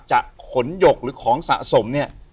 จะขนหยกหรือของสะสมเนี่ย